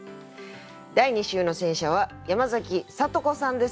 第２週の選者は山崎聡子さんです。